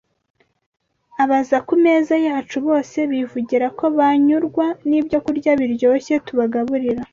Abaza ku meza yacu bose bivugira ko banyurwa n’ibyokurya biryoshye tubagaburira.